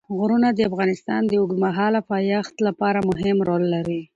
غرونه د افغانستان د اوږدمهاله پایښت لپاره مهم رول لري.